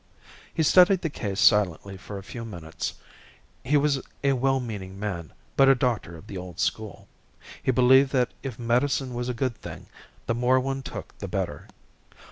He studied the case silently for a few minutes. He was a well meaning man, but a doctor of the old school. He believed that if medicine was a good thing, the more one took the better.